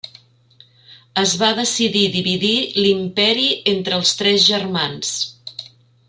Es va decidir dividir l'Imperi entre els tres germans.